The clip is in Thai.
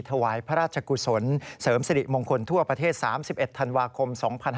ถวายพระราชกุศลเสริมสิริมงคลทั่วประเทศ๓๑ธันวาคม๒๕๕๙